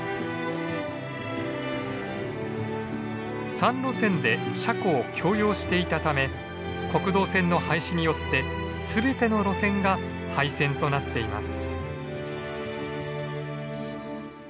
３路線で車庫を共用していたため国道線の廃止によって全ての路線が廃線となっています。